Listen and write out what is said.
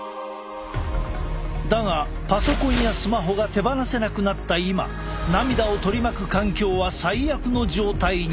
だがパソコンやスマホが手放せなくなった今涙を取り巻く環境は最悪の状態に。